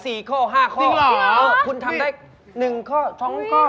จริงเหรอครับคุณทำได้๑ข้อ๒ข้อเหรอ